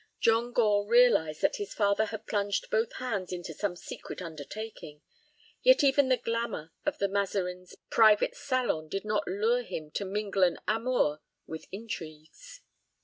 John Gore realized that his father had plunged both hands into some secret undertaking, yet even the glamour of the Mazarin's private salon did not lure him to mingle an amour with intrigues.